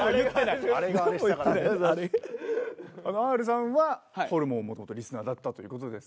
Ｒさんはホルモンもともとリスナーだったと。